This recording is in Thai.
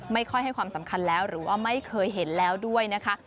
ไม่ค่อยให้ความสำคัญแล้วหรือว่าไม่เคยเห็นแล้วด้วยนะคะ